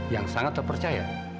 yang sangat terpercaya